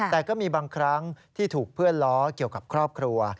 แต่ก็มีบางครั้งที่ถูกเพื่อนล้อเกี่ยวกับครอบครัว